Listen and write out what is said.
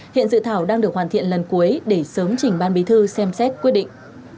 hiện dự thảo đang được hoàn thiện lần cuối để sớm chỉnh ban bí thư xem xét quyết định